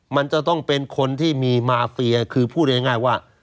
มันจะต้องเป็นคนที่มีมาเฟียคือพูดง่ายว่า